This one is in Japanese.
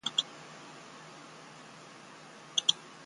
ザクセン自由州の州都はドレスデンである